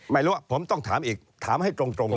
ไม่รู้ผมต้องถามอีกถามให้ตรง